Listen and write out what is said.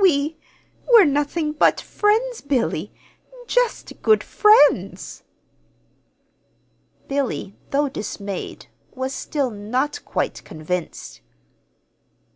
We we're nothing but friends, Billy, just good friends!" Billy, though dismayed, was still not quite convinced.